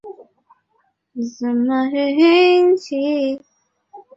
挑战不会无由停止